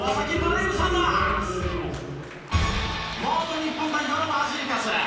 元日本代表のファジーカス。